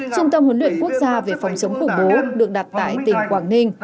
trung tâm huấn luyện quốc gia về phòng chống khủng bố được đặt tại tỉnh quảng ninh